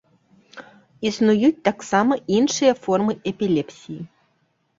Існуюць таксама іншы формы эпілепсіі.